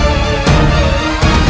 aku akan menemukanmu